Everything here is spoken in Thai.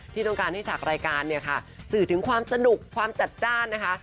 ที่ต้องการให้ฉากรายการเนี่ยค่ะสื่อถึงความสนุกความจัดจ้านนะคะ